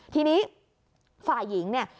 ทีนี้ฝ่ายหญิงเนี่ย